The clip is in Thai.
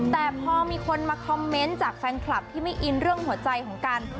แต่พอมีคนมาคอมเมนต์จากแฟนคลับที่ไม่อินเรื่องหัวใจของกัน